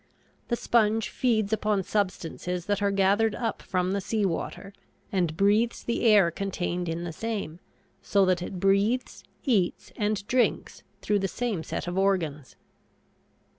The sponge feeds upon substances that are gathered up from the sea water, and breathes the air contained in the same, so that it breathes, eats, and drinks through the same set of organs.